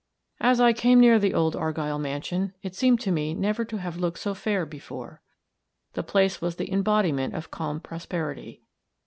As I came near the old Argyll mansion, it seemed to me never to have looked so fair before. The place was the embodiment of calm prosperity.